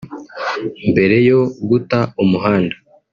Mbere yo guta umuhanda